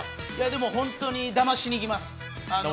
本当にだましにいきます。